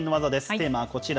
テーマはこちら。